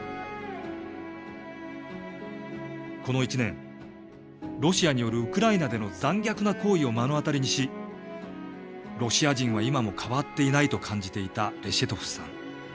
この１年ロシアによるウクライナでの残虐な行為を目の当たりにしロシア人は今も変わっていないと感じていたレシェトフスさん。